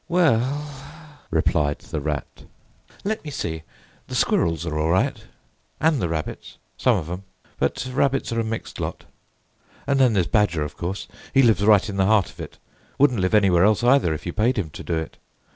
"W e ll," replied the Rat, "let me see. The squirrels are all right. And the rabbits—some of 'em, but rabbits are a mixed lot. And then there's Badger, of course. He lives right in the heart of it; wouldn't live anywhere else, either, if you paid him to do it.